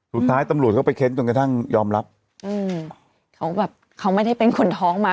สุดท้ายตำรวจเขาไปเค้นจนกระทั่งยอมรับอืมเขาแบบเขาไม่ได้เป็นคนท้องมา